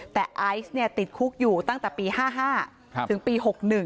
แต่ไอซ์ติดคุกอยู่ตั้งแต่ปี๕๕ถึงปี๖๑